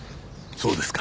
そうですか。